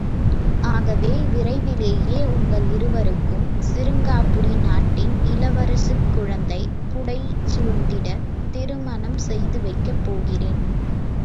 – ஆகவே, விரைவிலேயே உங்கள் இருவருக்கும் சிருங்காரபுரி நாட்டின் இளவரசுக் குழந்தை புடை சூழ்ந்திடத் திருமணம் செய்துவைக்கப் போகிறேன்!...